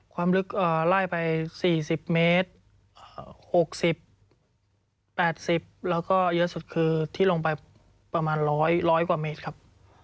ความลึกไล่ไป๔๐เมตร๖๐๘๐แล้วก็เยอะสุดคือที่ลงไปประมาณ๑๐๐กว่าเมตรครับ